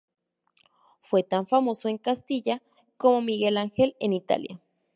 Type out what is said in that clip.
Fue tan famoso en Castilla como Miguel Ángel en Italia.